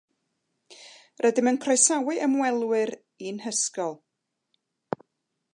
Rydyn ni'n croesawu ymwelwyr i'n hysgol